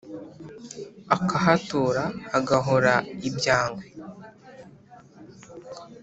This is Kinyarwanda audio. akahatura hagahora ibyangwe